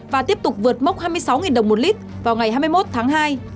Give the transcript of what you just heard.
và tiếp tục vượt mốc hai mươi sáu đồng một lít vào ngày hai mươi một tháng hai